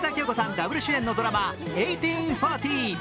ダブル主演のドラマ、「１８／４０」。